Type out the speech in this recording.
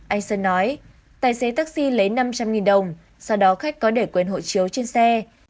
anh sơn nói tài xế taxi lấy năm trăm linh đồng sau đó khách có để quên hộ chiếu trên xe